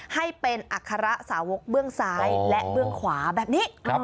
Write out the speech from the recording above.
ให้เป็นอัคระสาวกเบื้องซ้ายและเบื้องขวาแบบนี้